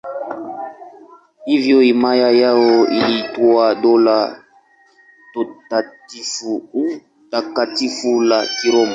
Hivyo himaya yao iliitwa Dola Takatifu la Kiroma.